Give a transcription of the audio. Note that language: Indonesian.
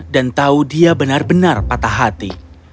dan tahu dia benar benar patah hati